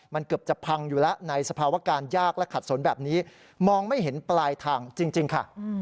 มันเกือบจะพังอยู่แล้วในสภาวะการยากและขัดสนแบบนี้มองไม่เห็นปลายทางจริงค่ะ